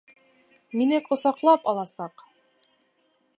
Мине ҡосаҡлап аласаҡ!